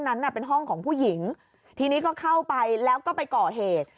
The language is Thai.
นั้นน่ะเป็นห้องของผู้หญิงทีนี้ก็เข้าไปแล้วก็ไปก่อเหตุ